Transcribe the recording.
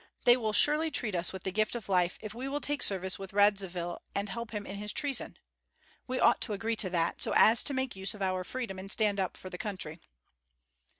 They will surely treat us with the gift of life if we will take service with Radzivill and help him in his treason; we ought to agree to that, so as to make use of our freedom and stand up for the country."